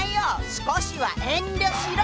少しは遠慮しろ！